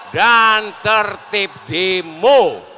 dan tertib dimu